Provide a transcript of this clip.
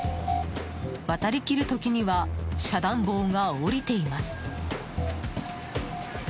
渡りきる時には遮断棒が下りています。